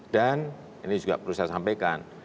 dan ini juga perlu saya sampaikan